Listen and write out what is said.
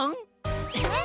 えっ？